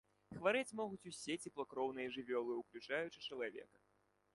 Хварэць могуць усе цеплакроўныя жывёлы, уключаючы чалавека.